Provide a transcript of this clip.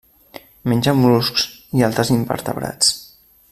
Menja mol·luscs i altres invertebrats.